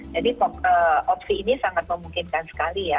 jadi opsi ini sangat memungkinkan sekali ya